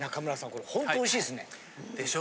これホントおいしいですね。でしょ。